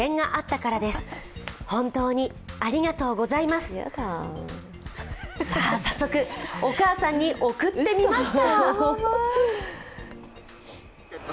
すると早速、お母さんに送ってみました。